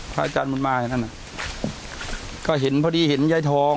พระอาจารย์มุทน์มาอาจารย์เนี่ยเพราะเห็นพอดีเห็นไยทอง